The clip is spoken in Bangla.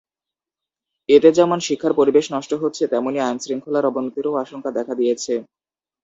এতে যেমন শিক্ষার পরিবেশ নষ্ট হচ্ছে, তেমনি আইনশৃঙ্খলার অবনতিরও আশঙ্কা দেখা দিয়েছে।